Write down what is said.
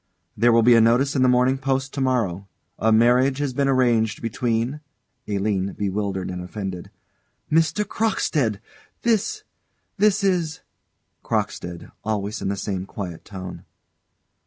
There will be a notice in the Morning Post to morrow: "A Marriage Has Been Arranged Between " ALINE. [Bewildered and offended.] Mr. Crockstead! This this is CROCKSTEAD. [_Always in the same quiet tone.